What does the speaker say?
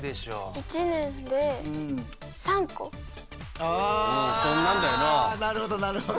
１年であなるほどなるほど。